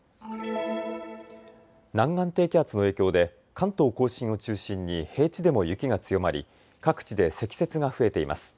南岸低気圧の影響で関東甲信を中心に平地でも雪が強まり各地で積雪が増えています。